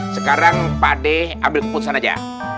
sekarang pade ambil keputusan aja